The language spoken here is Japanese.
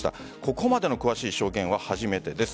ここまでの詳しい証言は初めてです。